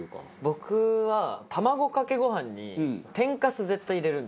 僕は卵かけご飯に天かす絶対入れるんです。